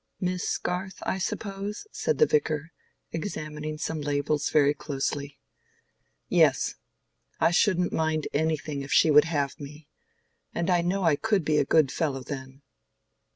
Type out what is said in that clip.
"Miss Garth, I suppose?" said the Vicar, examining some labels very closely. "Yes. I shouldn't mind anything if she would have me. And I know I could be a good fellow then."